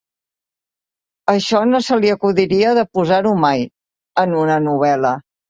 Això no se li acudiria de posar-ho mai, en una novel·la.